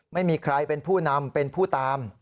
ไม่มีใครเป็นผู้นำเป็นผู้ตาม